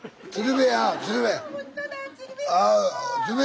鶴瓶。